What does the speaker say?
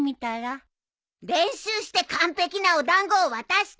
練習して完璧なお団子を渡したいの！